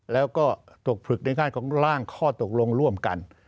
แล้วก็ตกผลึกในงานของร่างข้อตกลงร่วมกัน